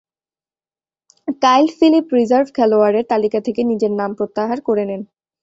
কাইল Phillip reserve খেলোয়াড়ের তালিকা থেকে নিজের নাম প্রত্যাহার করে নেন।